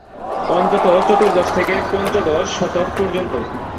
অন্তত চতুর্দশ থেকে পঞ্চদশ শতক পর্যন্ত।